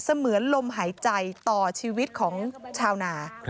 เหมือนลมหายใจต่อชีวิตของชาวนา